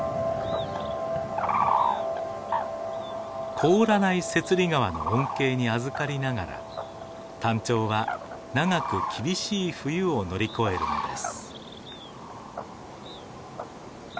凍らない雪裡川の恩恵にあずかりながらタンチョウは長く厳しい冬を乗り越えるのです。